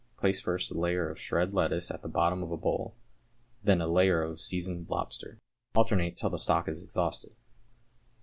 Place first a layer of shred lettuce at the bottom of a bowl, then a layer of seasoned lobster; alternate till the stock is exhausted.